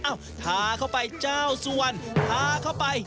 พาเข้าไปเจ้าสวรรค์พาเข้าไป